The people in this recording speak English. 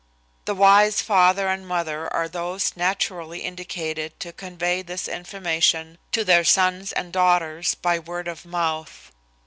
The wise father and mother are those naturally indicated to convey this information to their sons and daughters by word of mouth.